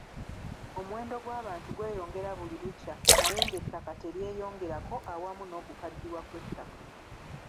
Omuwendo gw’abantu gweyongera buli lukya naye ng’ettaka teryeyongerako awamu n’okukaddiwa kw’ettaka.